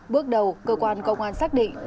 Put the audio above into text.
bước đầu cơ quan công an xác định